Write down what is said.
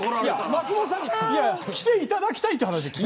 松本さんに来ていただきたいという話。